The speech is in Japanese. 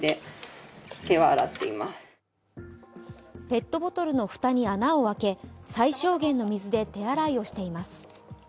ペットボトルの蓋に穴を開け最小限の水で手洗いをしています。